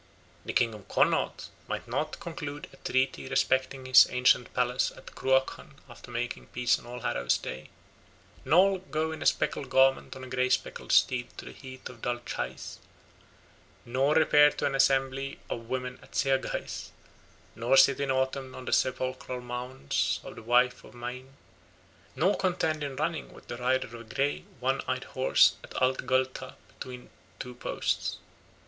The king of Connaught might not conclude a treaty respecting his ancient palace of Cruachan after making peace on All Hallows Day, nor go in a speckled garment on a grey speckled steed to the heath of Dal Chais, nor repair to an assembly of women at Seaghais, nor sit in autumn on the sepulchral mounds of the wife of Maine, nor contend in running with the rider of a grey one eyed horse at Ath Gallta between two posts.